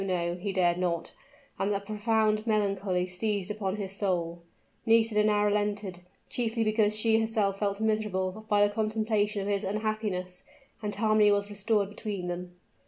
no, he dared not and a profound melancholy seized upon his soul. Nisida now relented, chiefly because she herself felt miserable by the contemplation of his unhappiness; and harmony was restored between them.